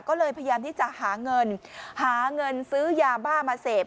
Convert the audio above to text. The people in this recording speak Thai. ก็เลยพยายามที่จะหาเงินหาเงินซื้อยาบ้ามาเสพ